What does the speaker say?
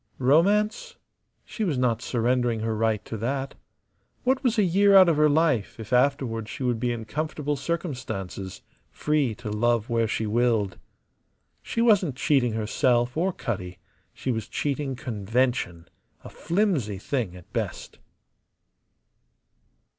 Romance? She was not surrendering her right to that. What was a year out of her life if afterward she would be in comfortable circumstances, free to love where she willed? She wasn't cheating herself or Cutty: she was cheating convention, a flimsy thing at best.